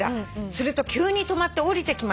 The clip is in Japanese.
「すると急に止まって降りてきました」